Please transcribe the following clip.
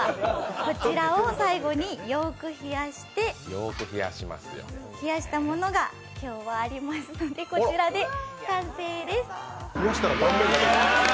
こちらを最後によーく冷やして、冷やしたものが今日はありますので、こちらで完成です。